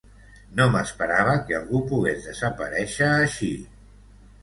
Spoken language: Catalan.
No m'esperava que algú pogués desaparèixer així.